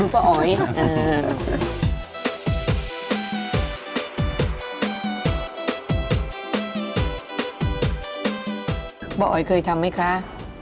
เคยอยู่เจ้า